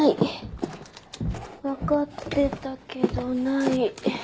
分かってたけどない。